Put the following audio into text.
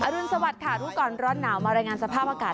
อรุณสวัสดิ์ค่ะทุกคนร้อนหนาวมารายงานสภาพอากาศ